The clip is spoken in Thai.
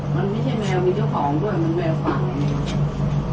มันไม่ใช่แมวมีเจ้าของด้วยมันแมวฝัง